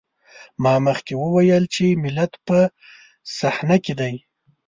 ما مخکې وويل چې ملت په صحنه کې دی.